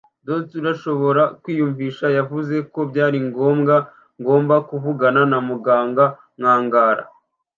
dolts urashobora kwiyumvisha, yavuze ko byari ngombwa ngomba kuvugana na muganga, nkangara